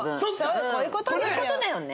こういう事だよね。